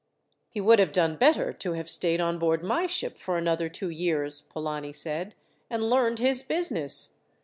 "He would have done better to have stayed on board my ship for another two years," Polani said, "and learned his business.